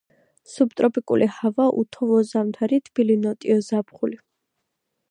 სუბტროპიკული ჰავა, უთოვლო ზამთარი, თბილი ნოტიო ზაფხული.